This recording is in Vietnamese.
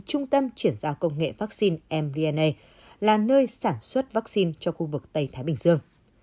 trung tâm chuyển giao công nghệ vaccine mbna là nơi sản xuất vaccine cho khu vực tây thái bình dương